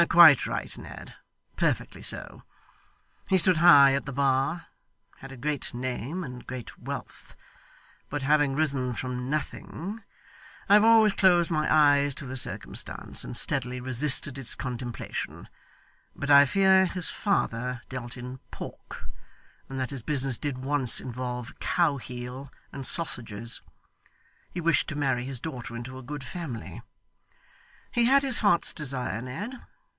'Quite right, Ned; perfectly so. He stood high at the bar, had a great name and great wealth, but having risen from nothing I have always closed my eyes to the circumstance and steadily resisted its contemplation, but I fear his father dealt in pork, and that his business did once involve cow heel and sausages he wished to marry his daughter into a good family. He had his heart's desire, Ned.